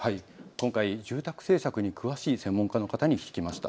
今回、住宅政策に詳しい専門家の方に聞きました。